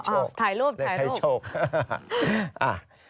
โอ๊ยเลขให้โชคเลขให้โชคถ่ายรูป